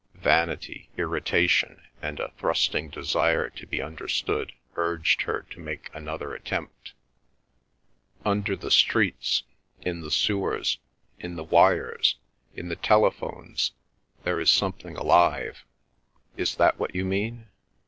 Vanity, irritation, and a thrusting desire to be understood, urged her to make another attempt. "Under the streets, in the sewers, in the wires, in the telephones, there is something alive; is that what you mean?